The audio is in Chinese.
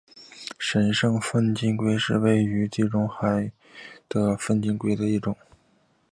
神圣粪金龟是位于地中海盆地的粪金龟的一种。